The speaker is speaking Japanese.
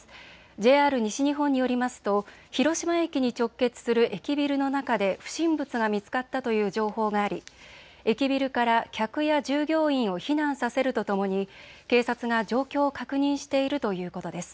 ＪＲ西日本によりますと広島駅に直結する駅ビルの中で不審物が見つかったという情報があり駅ビルから客や従業員を避難させるとともに警察が状況を確認しているということです。